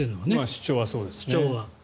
主張はそうですね。